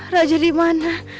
raja di mana